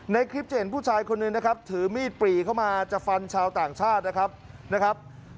ในคลิปจะเห็นผู้ชายคนหนึ่งนะครับถือมีดปรีเข้ามาจะฟันชาวต่างชาตินะครับนะครับ